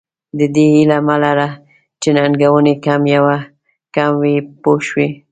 د دې هیله مه لره چې ننګونې کم وي پوه شوې!.